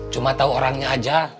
cuma tau orangnya aja